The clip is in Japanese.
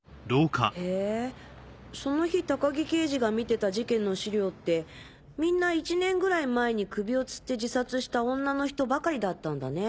へぇその日高木刑事が見てた事件の資料ってみんな１年ぐらい前に首を吊って自殺した女の人ばかりだったんだね。